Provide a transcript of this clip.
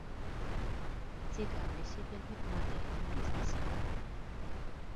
Цікаўлюся вельмі мадэльным бізнесам.